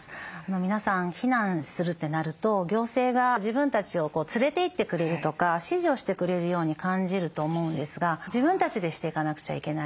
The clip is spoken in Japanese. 皆さん避難するってなると行政が自分たちを連れていってくれるとか指示をしてくれるように感じると思うんですが自分たちでしていかなくちゃいけないです。